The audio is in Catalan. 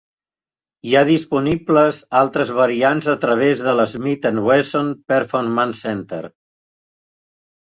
Hi ha disponibles altres variants a través de l'Smith and Wesson's Performance Center.